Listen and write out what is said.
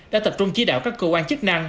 đã tập trung chỉ đạo các cơ quan chức năng